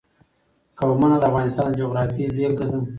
قومونه د افغانستان د جغرافیې بېلګه ده.